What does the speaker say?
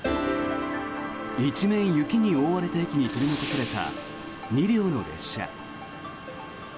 一面雪に覆われた駅に取り残された２両の列車。